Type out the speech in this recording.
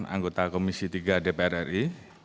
anggota komisi tiga dpr ri